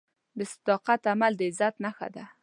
د صداقت عمل د عزت نښه ده.